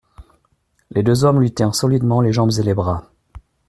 Les deux hommes lui tinrent solidement les jambes et les bras.